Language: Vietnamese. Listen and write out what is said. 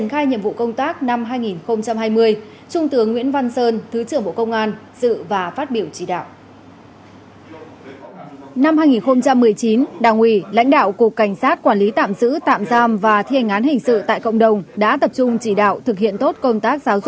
hôm nay cục cảnh sát quản lý tạm giữ tạm giam và thi hành án hình sự tại cộng đồng tổ chức hội nghị tổng kết công tác năm hai nghìn một mươi chín